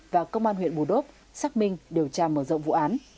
và công an huyện bù đốp xác minh điều tra mở rộng vụ án